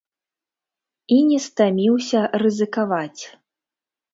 І не стаміўся рызыкаваць.